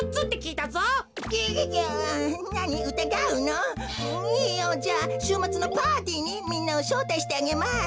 いいよ。じゃあしゅうまつのパーティーにみんなをしょうたいしてあげます。